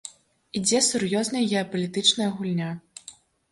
Ідзе сур'ёзная геапалітычная гульня.